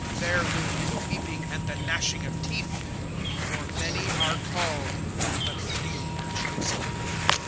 There will be the weeping, and the gnashing of teeth! (14)For many are called, but few are chosen.